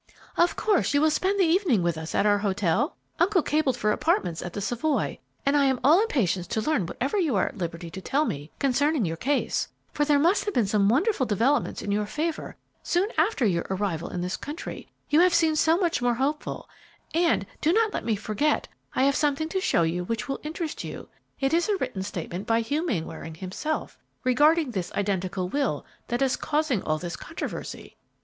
"Of course you will spend the evening with, us at our hotel, uncle cabled for apartments at the Savoy, and I am all impatience to learn whatever you are at liberty to tell me concerning your case, for there must have been some wonderful developments in your favor soon after your arrival in this country, you have seemed so much more hopeful; and do not let me forget, I have something to show you which will interest you. It is a written statement by Hugh Mainwaring himself regarding this identical will that is causing all this controversy."